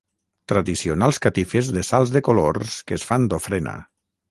Tradicionals catifes de sals de colors que es fan d'ofrena.